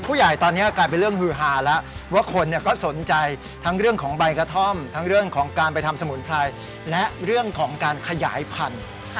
ผู้ใหญ่ตอนนี้กลายเป็นเรื่องฮือฮาแล้วว่าคนก็สนใจทั้งเรื่องของใบกระท่อมทั้งเรื่องของการไปทำสมุนไพรและเรื่องของการขยายพันธุ์